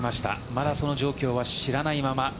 まだその状況は知らないまま。